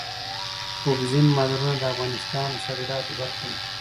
اوبزین معدنونه د افغانستان د صادراتو برخه ده.